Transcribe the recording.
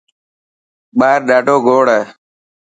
ٻاهر ڏاڌوگوڙ هي.